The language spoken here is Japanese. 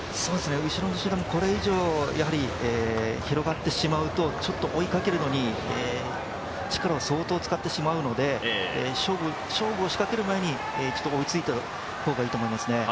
後ろの集団もこれ以上広がってしまうと追いかけるのに力を相当使ってしまうので、勝負を仕掛ける前に一度追いついた方がいいと思います。